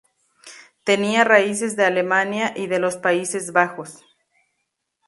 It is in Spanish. Tenía raíces de Alemania y de los Países Bajos.